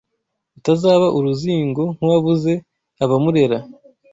Utazaba uruzingo Nk’uwabuze abamurera